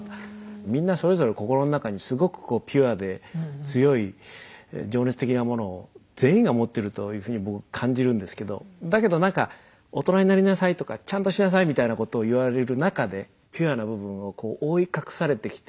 みんなそれぞれ心の中にすごくこうピュアで強い情熱的なものを全員がもってるというふうに僕感じるんですけどだけどなんか大人になりなさいとかちゃんとしなさいみたいなことをいわれる中でピュアな部分をこう覆い隠されてきて。